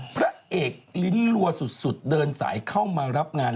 พระเอกลิ้นลัวสุดเดินสายเข้ามารับงาน